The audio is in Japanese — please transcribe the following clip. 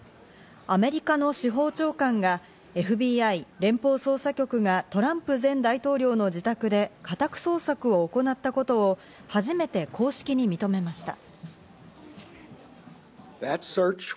アメリカの司法長官がＦＢＩ＝連邦捜査局がトランプ前大統領の自宅で家宅捜索を行ったことを初めて公式に認めました。